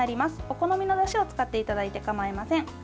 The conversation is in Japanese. お好みのだしを使っていただいて構いません。